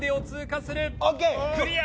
クリア！